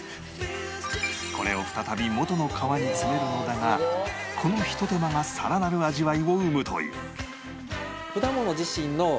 これを再び元の皮に詰めるのだがこのひと手間がさらなる味わいを生むという